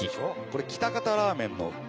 これ喜多方ラーメンの。